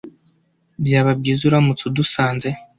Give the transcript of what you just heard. Byaba byiza uramutse udusanze